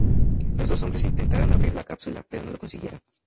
Los dos hombres intentaron abrir la cápsula, pero no lo consiguieron.